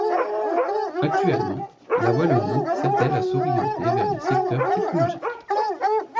Actuellement, la Wallonie s'attèle à s'orienter vers les secteurs technologiques.